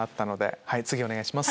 次お願いします。